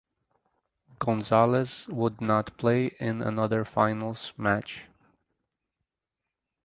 Gonzales would not play in another finals match.